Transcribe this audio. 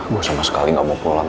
gue sama sekali nggak mau pulang